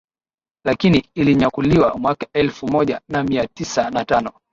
lakini ilinyakuliwa mwaka wa elfu moja na mia tisa na tano